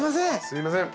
すいません。